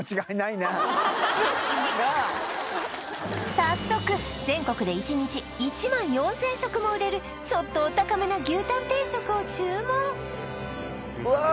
早速全国で１日１万４０００食も売れるちょっとお高めな牛たん定食を注文うわ